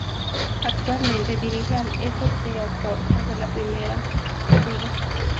Actualmente dirige al F. C. Oporto de la Primeira Liga.